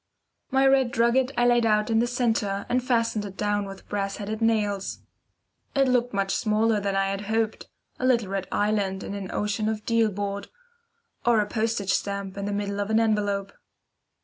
My red drugget I laid out in the centre, and fastened it down with brass headed nails. It looked much smaller than I had hoped, a little red island on an ocean of deal board, or a postage stamp in the middle of an envelope.